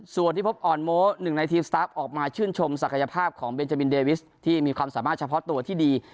ส่วนที่พบอ่อนโม้หนึ่งในทีมสตาฟออกมาชื่นชมศักยภาพของเบนจามินเดวิสที่มีความสามารถเฉพาะตัวที่ดี